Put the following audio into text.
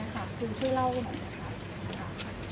ก่อนหน้าวังชื่อเรื่องของเครื่องแรง